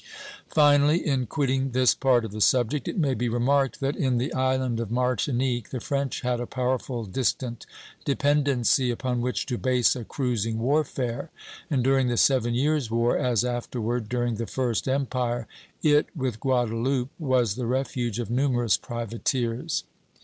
" Finally, in quitting this part of the subject, it may be remarked that in the island of Martinique the French had a powerful distant dependency upon which to base a cruising warfare; and during the Seven Years' War, as afterward during the First Empire, it, with Guadeloupe, was the refuge of numerous privateers.